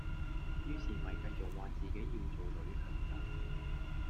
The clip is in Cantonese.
於是咪繼續話自己要做女強人